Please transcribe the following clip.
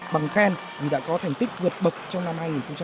bằng khen vì đã có thành tích vượt bậc trong năm hai nghìn một mươi tám